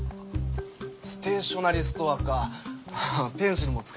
ステーショナリーストアか。